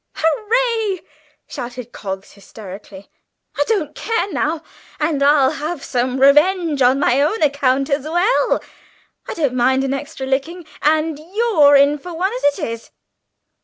"Hooray!" shouted Coggs hysterically: "I don't care now. And I'll have some revenge on my own account as well. I don't mind an extra licking, and you're in for one as it is.